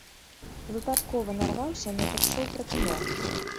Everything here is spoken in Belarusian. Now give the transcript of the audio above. Выпадкова нарваўся на ток-шоў пра кіно.